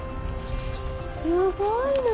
すごいな！